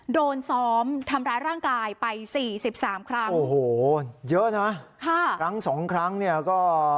โดนซ้อมทำร้ายร่างกายไปสี่สิบสามครั้งโอ้โหเยอะนะค่ะครั้งสองครั้งเนี่ยก็